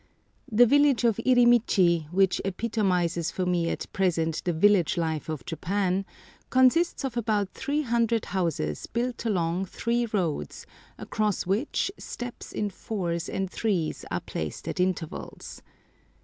The village of Irimichi, which epitomises for me at present the village life of Japan, consists of about three hundred houses built along three roads, across which steps in fours and threes are placed at intervals.